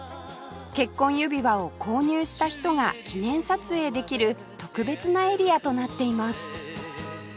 結婚指輪を購入した人が記念撮影できる特別なエリアとなっています